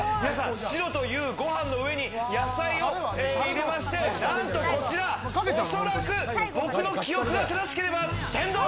白というご飯の上に野菜を入れまして、何とこちら、おそらく僕の記憶が正しければ、天丼。